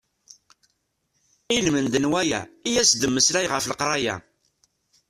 Ilmend n waya i as-d-mmeslay ɣef leqraya.